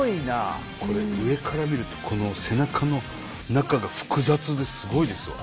これ上から見るとこの背中の中が複雑ですごいですよ。